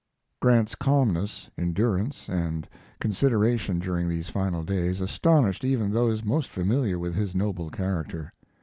Grant's calmness, endurance, and consideration during these final days astonished even those most familiar with his noble character.